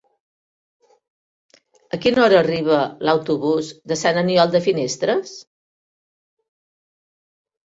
A quina hora arriba l'autobús de Sant Aniol de Finestres?